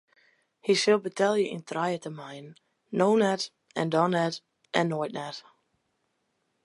Hy sil betelje yn trije terminen: no net en dan net en nea net.